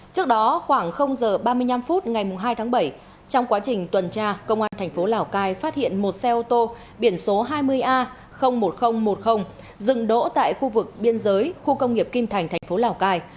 trước đó khoảng giờ ba mươi năm phút ngày hai tháng bảy trong quá trình tuần tra công an thành phố lào cai phát hiện một xe ô tô biển số hai mươi a một nghìn một mươi dừng đỗ tại khu vực biên giới khu công nghiệp kim thành thành phố lào cai